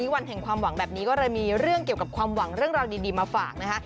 วันแห่งความหวังแบบนี้ก็เลยมีเรื่องเกี่ยวกับความหวังเรื่องราวดีมาฝากนะคะ